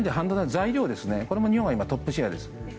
これも日本が今トップシェアです。